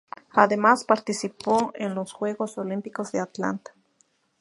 Además participó en los Juegos Olímpicos de Atlanta.